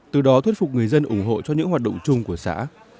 từ đó thuyết phục người dân ủng hộ cho những hoạt động chung của xã